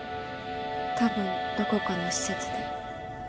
多分どこかの施設で。